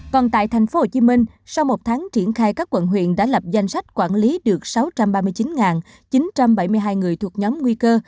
còn tại tp hcm sau một tháng triển khai các quận huyện đã lập danh sách quản lý được sáu trăm ba mươi chín chín trăm bảy mươi hai người thuộc nhóm nguy cơ